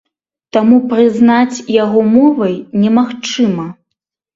Таму прызнаць яго мовай немагчыма.